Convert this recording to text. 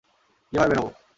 কীভাবে বের হবো?